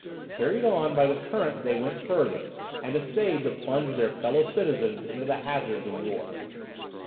Carried on by the current they went further, and essayed to plunge their fellow citizens into the hazards of war.